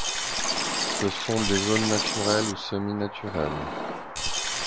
Ce sont des zones naturelles ou semi-naturelles.